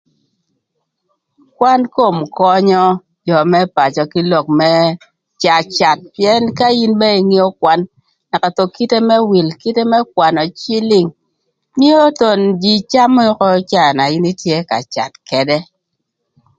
Kwan kom könyö jö më pacö kï lok më cacath pïën ka in ba ingeo kwan naka thon kite m̈e wïl, kite më kwanö cïlïng mïö thon jïï cami ökö ï caa na in itye ka cath këdë.